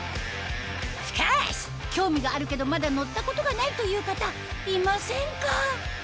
しかし興味があるけどまだ乗ったことがないという方いませんか？